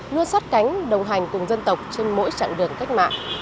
luôn sát cánh đồng hành cùng dân tộc trên mỗi chặng đường cách mạng